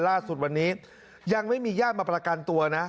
ล่าสุดวันนี้ยังไม่มีญาติมาประกันตัวนะ